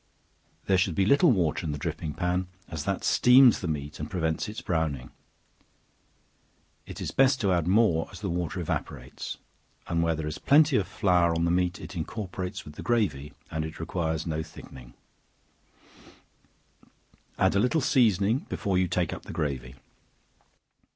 There should be but little water in the dripping pan, as that steams the meat and prevents its browning; it is best to add more as the water evaporates, and where there is plenty of flour on the meat it incorporates with the gravy and it requires no thickening; add a little seasoning before you take up the gravy.